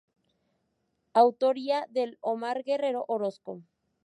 Autoría del Omar Guerrero Orozco.